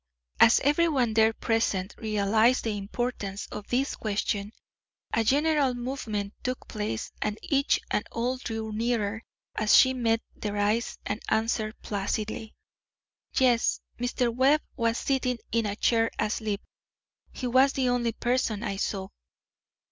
As everyone there present realised the importance of this question, a general movement took place and each and all drew nearer as she met their eyes and answered placidly: "Yes; Mr. Webb was sitting in a chair asleep. He was the only person I saw."